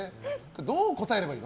どう答えればいいの？